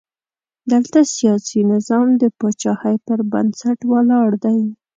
دلته سیاسي نظام د پاچاهۍ پر بنسټ ولاړ دی.